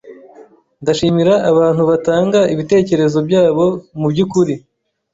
Ndashimira abantu batanga ibitekerezo byabo mubyukuri.